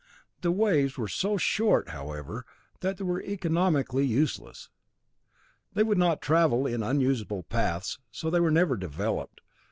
The waves were so short, however, that they were economically useless. They would not travel in usable paths, so they were never developed.